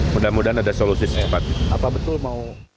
mudah mudahan ada solusi secepatnya